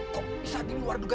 kok bisa di luar juga